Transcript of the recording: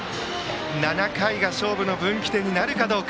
７回が勝負の分岐点になるか。